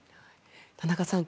田中さん